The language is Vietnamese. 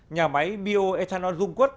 nhà máy bioethanol dung quất